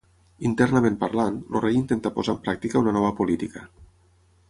Internament parlant, el rei intentà posar en pràctica una nova política.